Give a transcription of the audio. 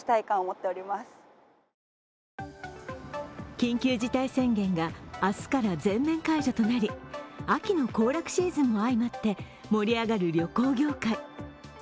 緊急事態宣言が明日から全面解除となり、秋の行楽シーズンも相まって盛り上がる旅行業界。